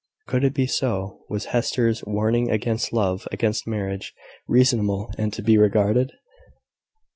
Could it be so? Was Hester's warning against love, against marriage, reasonable, and to be regarded?